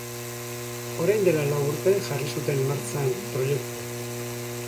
Orain dela lau urte jarri zuten martxan proiektua.